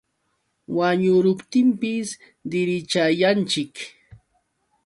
Wañuruptinpis dirichayanchik.